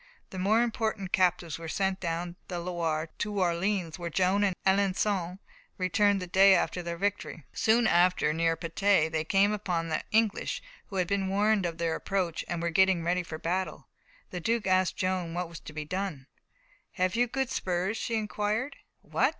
The more important captives were sent down the Loire to Orleans, where Joan and Alençon returned the day after their victory. Soon after, near Patay they came upon the English, who had been warned of their approach, and were getting ready for battle. The Duke asked Joan what was to be done. "Have you good spurs?" she inquired. "What!"